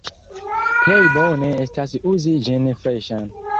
Plej bone estas uzi ĝin freŝan.